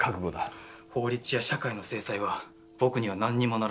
「法律や社会の制裁は僕には何にもならない」。